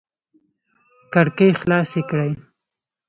کړکۍ خلاص کړئ